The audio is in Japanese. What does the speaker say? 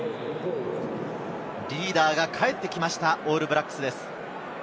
リーダーが帰ってきました、オールブラックスです。